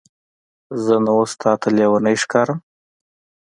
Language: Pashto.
زه نو اوس تاته لیونی ښکارم؟